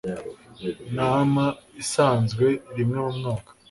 nama isanzwe rimwe mu mwaka